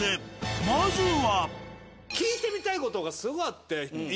まずは。